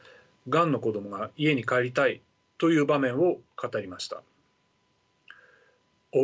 がんの子どもが家に帰りたいと言う場面を語りました。